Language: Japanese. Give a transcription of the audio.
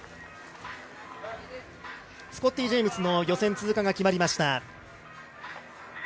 スコッティ・ジェームズの予選通過が決まりました。